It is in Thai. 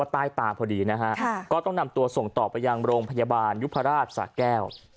ใต้ตาพอดีนะฮะก็ต้องนำตัวส่งต่อไปยังโรงพยาบาลยุพราชสะแก้ว